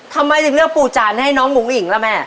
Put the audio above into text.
ทำไมถึงเลือกปู่จานให้น้องอุ้งอิ๋งล่ะแม่